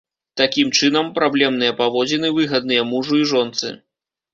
Такім чынам, праблемныя паводзіны выгадныя мужу і жонцы.